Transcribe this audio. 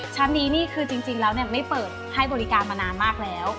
ชั้นนี้จริงไม่เปิดให้บริการมานานมากแล้ว